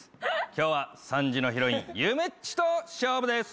今日は３時のヒロインゆめっちと勝負です。